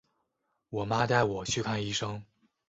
我妈带我去看医生